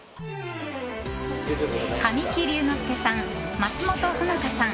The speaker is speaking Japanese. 神木隆之介さん、松本穂香さん